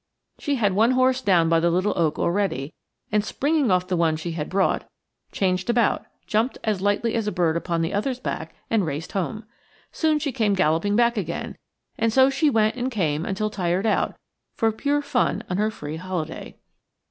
She had one horse down by the little oak already, and springing off the one she had brought, changed about, jumped as lightly as a bird upon the other's back and raced home. Soon she came galloping back again, and so she went and came until tired out, for pure fun on her free holiday.